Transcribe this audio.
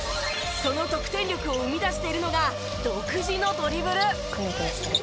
その得点力を生み出しているのが「クネクネしてる」